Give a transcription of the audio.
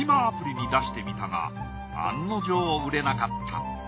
アプリに出してみたが案の定売れなかった。